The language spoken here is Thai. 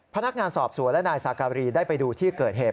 พนักงานสอบสวนและนายสาการีได้ไปดูที่เกิดเหตุ